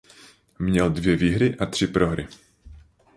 Měl dvě výhry a tři prohry.